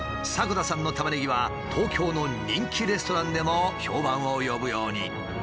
迫田さんのタマネギは東京の人気レストランでも評判を呼ぶように。